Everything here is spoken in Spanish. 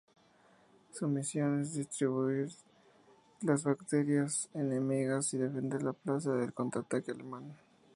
Su misión es destruir las baterías enemigas y defender la plaza del contraataque alemán.